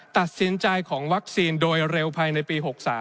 ตัดสินใจของวัคซีนโดยเร็วภายในปี๖๓